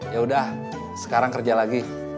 yaudah sekarang kerja lagi